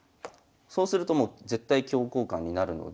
そうするともう絶対香交換になるので。